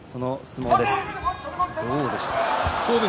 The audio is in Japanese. どうでしたか？